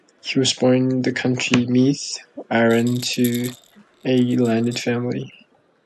He was born in County Meath, Ireland to a landed family.